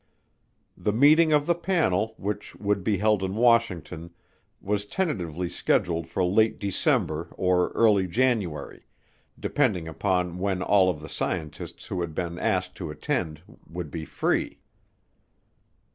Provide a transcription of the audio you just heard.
The meeting of the panel, which would be held in Washington, was tentatively scheduled for late December or early January depending upon when all of the scientists who had been asked to attend would be free.